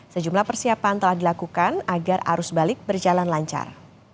sejumlah persiapan telah dilakukan agar arus balik berjalan lancar